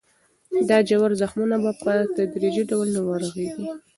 دا ژور زخمونه به په تدریجي ډول ورغېږي.